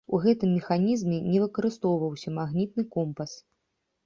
У гэтым механізме не выкарыстоўваўся магнітны компас.